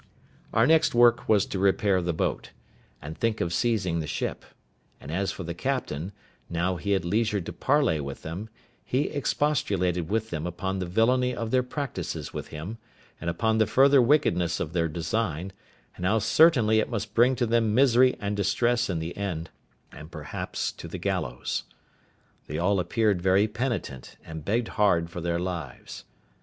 Our next work was to repair the boat, and think of seizing the ship: and as for the captain, now he had leisure to parley with them, he expostulated with them upon the villainy of their practices with him, and upon the further wickedness of their design, and how certainly it must bring them to misery and distress in the end, and perhaps to the gallows. They all appeared very penitent, and begged hard for their lives.